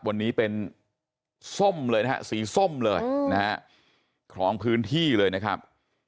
วันนี้เป็นส้มเลยนะฮะสีส้มเลยนะฮะคล้องพื้นที่เลยนะครับ